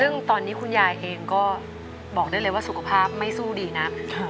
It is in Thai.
ซึ่งตอนนี้คุณยายเองก็บอกได้เลยว่าสุขภาพไม่สู้ดีนะ